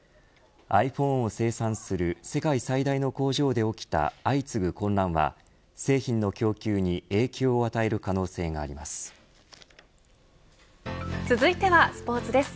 ｉＰｈｏｎｅを生産する世界最大の工場で起きた相次ぐ混乱は、製品の供給に影響を与える可能性があります。